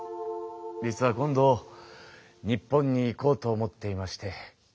実は今度日本に行こうと思っていまして。